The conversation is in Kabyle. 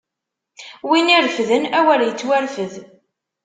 Win irefden, awer ittwarfed!